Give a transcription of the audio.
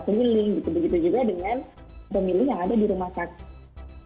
keliling gitu begitu juga dengan pemilih yang ada di rumah sakit